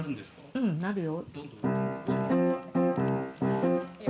うん鳴るよ。